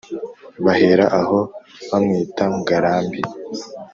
Bahera aho bamwita ngarambe